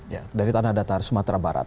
ya dari tanah datar sumatera barat